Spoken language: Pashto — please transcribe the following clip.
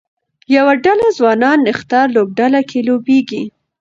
یوه ډله ځوانان نښتر لوبډله کې لوبیږي